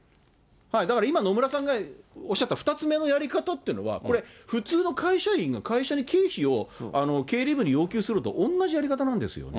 だから今、野村さんがおっしゃった２つ目のやり方っていうのは、これ、普通の会社員が会社に経費を経理部に要求するのと同じやり方なんですよね。